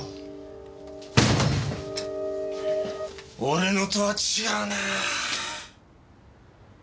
俺のとは違うなぁ。